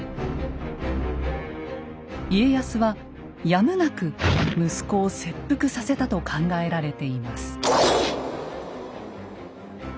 家康はやむなく息子を切腹させたと考えられています。